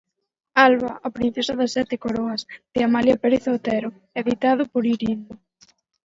Alba, a princesa das sete coroas, de Amalia Pérez Otero, editado por Ir Indo.